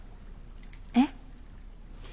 えっ？